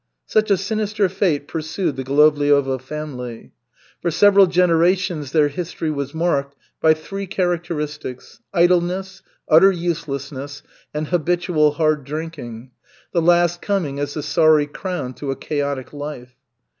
Such a sinister fate pursued the Golovliovo family. For several generations, their history was marked by three characteristics, idleness, utter uselessness, and habitual hard drinking, the last coming as the sorry crown to a chaotic life.